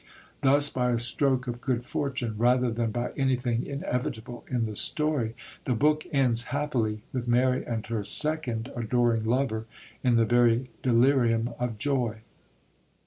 Thus, by a stroke of good fortune, rather than by anything inevitable in the story, the book ends happily, with Mary and her second adoring lover in the very delirium of joy.